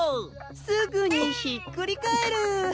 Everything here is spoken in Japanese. すぐにひっくりかえる！